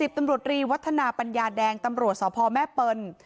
ตำรวจรีวัฒนาปัญญาแดงตำรวจสพแม่เปิล